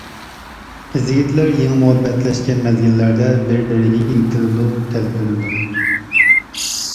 قىز-يىگىتلەر يېڭى مۇھەببەتلەشكەن مەزگىللەردە بىر-بىرىگە ئىنتىلىدۇ، تەلپۈنىدۇ.